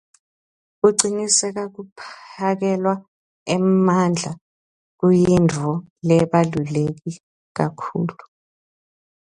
Kuciniseka kuphakelwa emandla kuyintfo lebaluleke kakhulu.